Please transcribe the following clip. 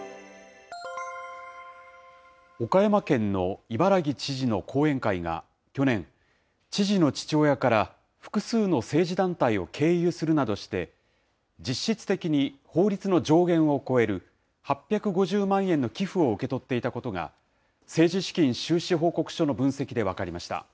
岡山県の伊原木知事の後援会が去年、知事の父親から複数の政治団体を経由するなどして、実質的に法律の上限を超える８５０万円の寄付を受け取っていたことが、政治資金収支報告書の分析で分かりました。